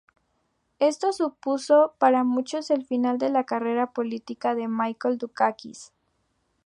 Esto supuso para muchos el final de la carrera política de Michael Dukakis.